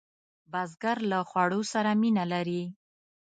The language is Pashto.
بزګر له خوړو سره مینه لري